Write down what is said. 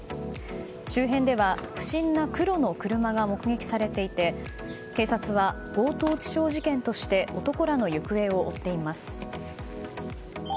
周辺では不審な黒の車が目撃されていて警察は強盗致傷事件として男らの行方を追っています。